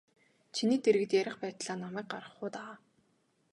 Чиний дэргэд ярих байтлаа намайг гаргах уу даа.